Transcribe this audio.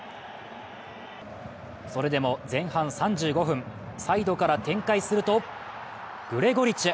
それでも前半３５分、サイドからの展開するとグレゴリチュ。